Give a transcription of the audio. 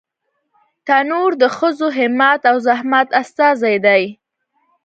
تنور د ښځو همت او زحمت استازی دی